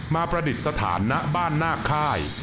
ประดิษฐานณบ้านหน้าค่าย